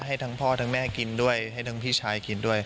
ให้ทั้งพ่อทั้งแม่กินด้วยให้ทั้งพี่ชายกินด้วย